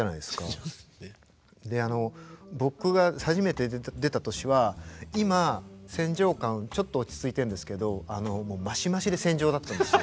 僕が初めて出た年は今戦場感ちょっと落ち着いてるんですけどマシマシで戦場だったんですよ。